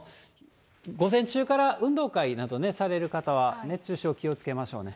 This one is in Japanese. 午前中から運動会などされる方は熱中症、気をつけましょうね。